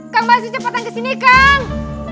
kang basir cepetan kesini kang